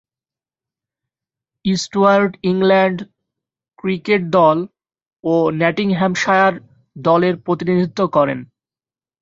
Stewart England cricket দল ও Nottinghamshire দলের প্রতিনিধিত্ব করেন।